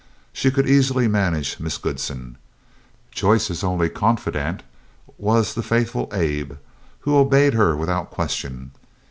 She could easily manage Miss Goodsen. Joyce's only confidant was the faithful Abe, who obeyed her without question.